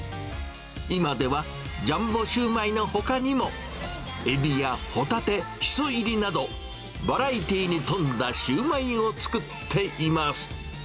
今では、ジャンボシューマイのほかにも、エビやホタテ、シソ入りなど、バラエティーに富んだシューマイを作っています。